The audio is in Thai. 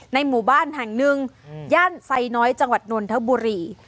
หมู่บ้านแห่งหนึ่งย่านไซน้อยจังหวัดนนทบุรี